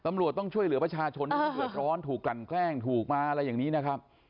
ตำรวจต้องช่วยเหลือประชาชนที่เดือดร้อนถูกกลั่นแกล้งถูกมาอะไรอย่างนี้นะครับ